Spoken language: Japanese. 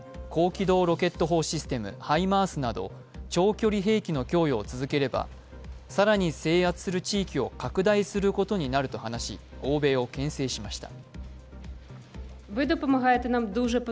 機動ロケット砲システム＝ハイマースなど長距離兵器の供与を続ければ更に制圧する地域を拡大することになると話し欧米をけん制しました。